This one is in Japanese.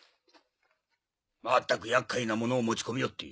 まったく厄介なものを持ち込みおって。